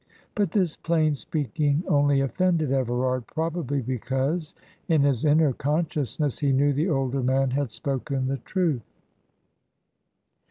But this plain speaking only offended Everard, probably because in his inner consciousness he knew the older man had spoken the truth.